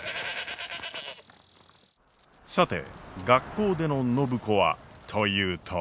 さて学校での暢子はというと。